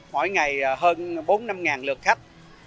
mỗi ngày hơn bốn năm ngàn lượt khách